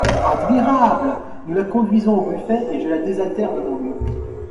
Admirable ! Nous la conduisons au buffet et je la désaltère de mon mieux.